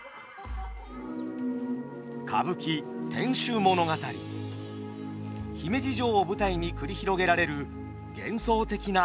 歌舞伎姫路城を舞台に繰り広げられる幻想的な美の世界。